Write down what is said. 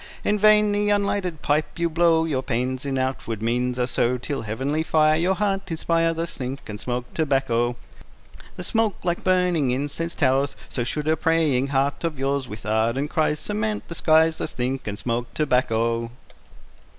In vain the unlighted pipe you blow, Your pains in outward means are so, Till heavenly fire Your heart inspire. Thus think, and smoke tobacco. The smoke, like burning incense, towers, So should a praying heart of yours, With ardent cries, Surmount the skies. Thus think, and smoke tobacco.